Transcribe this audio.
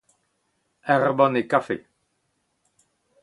ur banne kafe.